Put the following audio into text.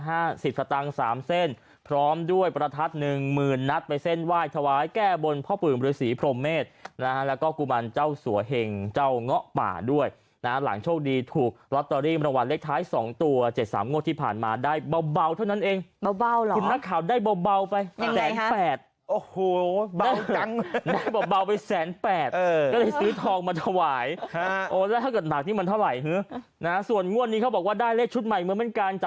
ห้าสิบสตางค์สามเส้นพร้อมด้วยประทัดหนึ่งหมื่นนัดไปเส้นไหว้ทวายแก้บนพ่อปื่นบริษีพรหมเมฆนะฮะแล้วก็กุบัญเจ้าสัวเฮงเจ้าเงาะป่าด้วยนะฮะหลังโชคดีถูกล็อตเตอรี่ประวัติเลขท้ายสองตัวเจ็ดสามโงค์ที่ผ่านมาได้เบาเบาเท่านั้นเองเบาเบาเหรอทีมนักข่าวได้เบาเบาไปยังไงฮะแสนแ